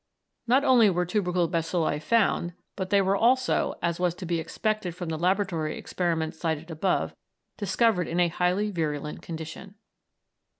Not only were tubercle bacilli found, but they were also, as was to be expected from the laboratory experiments cited above, discovered in a highly virulent condition.